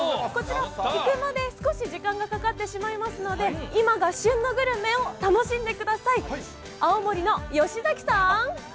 こちら、行くまで少し時間がかかってしまいますので、今が旬のグルメを楽しんでください。